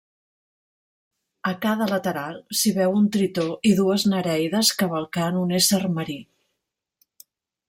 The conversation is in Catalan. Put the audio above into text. A cada lateral, s'hi veu un tritó i dues nereides cavalcant un ésser marí.